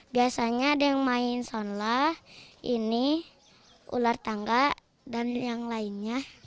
biasanya ada yang main sonlah ini ular tangga dan yang lainnya